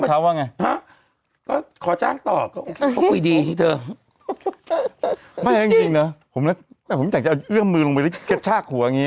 ปุ๊กเต้นนี่เถอะไม่ให้จริงหรอผมคิดอยากจะเออเดื้อมมือลงไปละเช็คชากหัวอย่างงี้